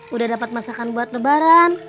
udah dapat masakan buat lebaran